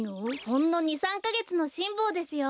ほんの２３かげつのしんぼうですよ。